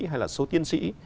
hay là số tiến sĩ